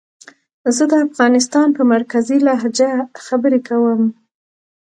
زه د افغانستان په مرکزي لهجه خبرې کووم